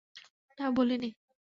না, বলিনি।